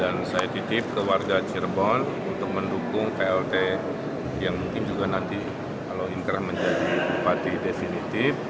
dan saya titip ke warga cirebon untuk mendukung plt yang mungkin juga nanti kalau inkrah menjadi bupati definitif